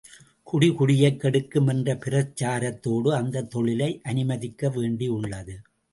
குடி குடியைக் கெடுக்கும் என்ற பிரச்சாரத்தோடு அந்தத் தொழிலை அனுமதிக்க வேண்டியுள்ளது.